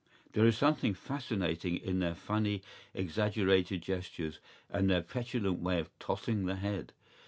¬Ý There is something fascinating in their funny, exaggerated gestures and their petulant way of tossing the head.